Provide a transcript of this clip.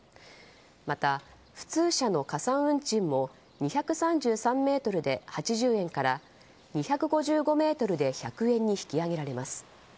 また、普通車の加算運賃も２３３ｍで８０円２５５ｍで１００円に引き上げられます。